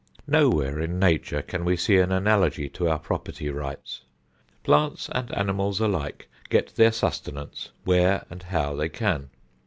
Nowhere in Nature can we see an analogy to our property rights. Plants and animals alike get their sustenance where and how they can.